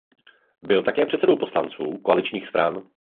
Byl také předsedou poslanců koaličních stran.